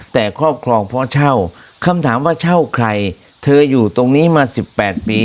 แต่ครอบครองเพราะเช่าคำถามว่าเช่าใครเธออยู่ตรงนี้มาสิบแปดปี